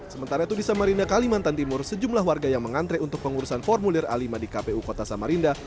sementara itu di samarinda kalimantan timur sejumlah warga yang mengantre untuk pengurusan formulir a lima di kpu kota samarinda